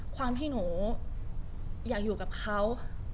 ความที่หนูอยากอยู่กับเขา